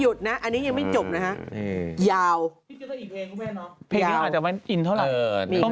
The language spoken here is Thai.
เพลงอันนี้อาจจะว่าร้ายอินเท่าไหร่